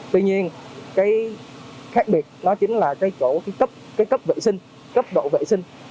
tuy nhiên khác biệt chính là cấp vệ sinh cấp độ vệ sinh